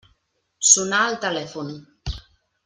Sonà el telèfon.